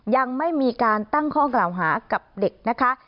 ยังไม่มีการตั้งข้อกล่าวหากับเด็กนะคะ